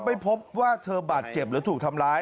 ไม่พบว่าเธอบาดเจ็บหรือถูกทำร้าย